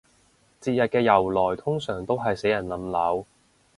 節日嘅由來通常都係死人冧樓